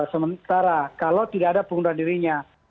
sementara kalau tidak ada pengunduran dirinya